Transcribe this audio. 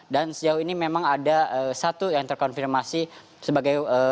dan sejauh ini memang ada satu yang terkonfirmasi sebagai